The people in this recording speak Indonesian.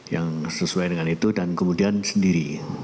yang sesuai dengan itu dan kemudian sendiri